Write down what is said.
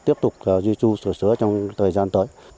tiếp tục duy tru sửa trong thời gian tới